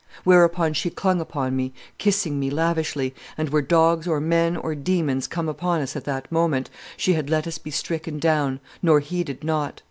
"Whereupon she clung upon me, kissing me lavishly, and, were dogs or men or demons come upon us at that moment, she had let us be stricken down, nor heeded not.